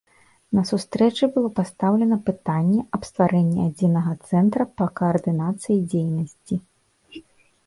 На сустрэчы было пастаўлена пытанне аб стварэнні адзінага цэнтра па каардынацыі дзейнасці.